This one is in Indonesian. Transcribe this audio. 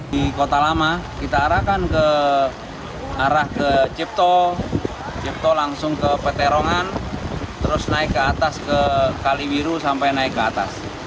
di kota lama kita arahkan ke arah ke cipto cipto langsung ke peterongan terus naik ke atas ke kaliwiru sampai naik ke atas